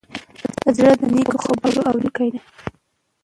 زړه د نیکو خبرو اورېدونکی دی.